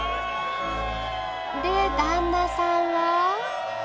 で旦那さんは？